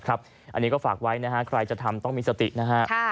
อันนี้ก็ฝากไว้นะฮะใครจะทำต้องมีสตินะฮะ